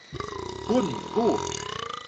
หุ้นกู้